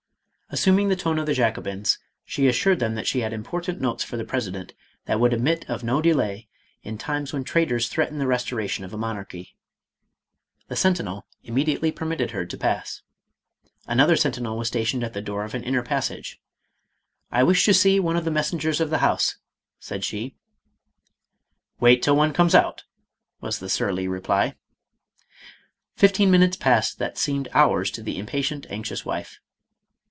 Assuming the tone of the Jacobins, she assured them she had impor tant notes for the president that would admit of no de lay in times when traitors threatened the restoration of a monarchy. The sentinel immediately permitted her to pass. Another sentinel was stationed at the door of an inner passage. " I wish to see one of the messen gers of the House," said she. " Wait till one comes out,' ' was the surly reply. Fifteen minutes passed that seemed hours to the impatient, anxious wife.